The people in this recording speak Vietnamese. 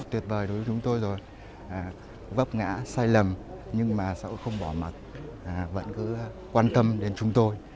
tuyệt vời đối với chúng tôi rồi vấp ngã sai lầm nhưng mà không bỏ mặt vẫn cứ quan tâm đến chúng tôi